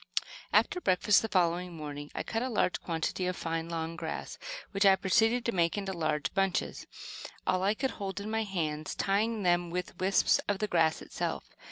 * After breakfast the following morning, I cut a large quantity of fine, long grass, which I proceeded to make into large bunches, all I could hold in my hands, tieing them with wisps of the grass itself.